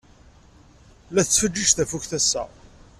La tettfeǧǧiǧ tafukt ass-a.